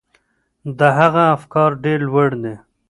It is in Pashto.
د هغه افکار ډیر لوړ دي.